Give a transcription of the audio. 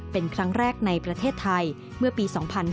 เป็นครั้งแรกในประเทศไทยเมื่อปี๒๕๕๙